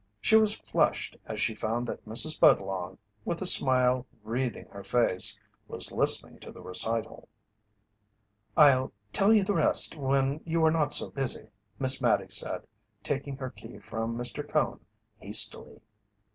She flushed as she found that Mrs. Budlong, with a smile wreathing her face, was listening to the recital. "I'll tell you the rest when you are not so busy," Miss Mattie said, taking her key from Mr. Cone hastily. Mrs.